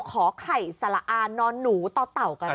ขอไข่สละอานอนหนูต่อเต่ากัน